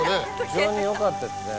非常によかったですね。